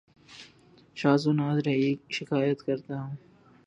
شاز و ناذر ہی شکایت کرتا ہوں